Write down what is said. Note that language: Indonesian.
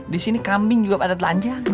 disini kambing juga pada telanjang